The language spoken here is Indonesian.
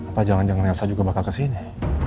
apa jangan jangan yang saya juga bakal kesini